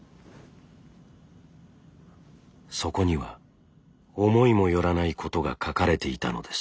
そこには思いも寄らないことが書かれていたのです。